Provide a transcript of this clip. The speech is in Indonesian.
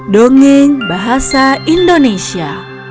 dongeng bahasa indonesia